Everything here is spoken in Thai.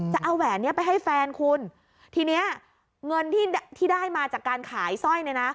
จะเอาแหวนเนี้ยไปให้แฟนคุณทีเนี้ยเงินที่ที่ได้มาจากการขายสร้อยเนี่ยนะ